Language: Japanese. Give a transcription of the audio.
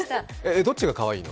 どっちがかわいいの？